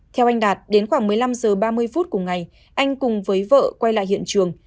theo anh đạt đến khoảng một mươi năm h ba mươi phút cùng ngày anh cùng với vợ quay lại hiện trường